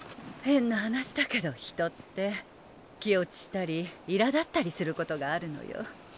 変な話だけど人って気落ちしたりいらだったりすることがあるのよ。